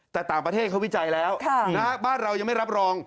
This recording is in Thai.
แต่ต่างประเทศเขาวิจัยแล้วบ้านเรายังไม่รับรอง